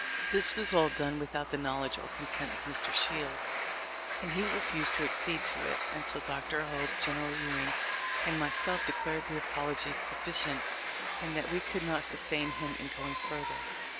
This was all done without the knowledge or consent of Mr. Shields, and he refused to ac cede to it, until Dr. Hope, General Ewing, and myself declared the apology sufficient, and that we could not sustain him in going further.